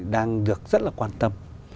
đang được rất là quan tâm